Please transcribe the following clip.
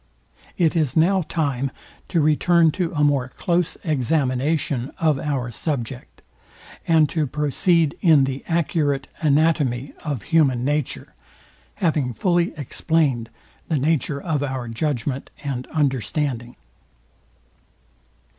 It is now time to return to a more close examination of our subject, and to proceed in the accurate anatomy of human nature, having fully explained the nature of our judgment and understandings.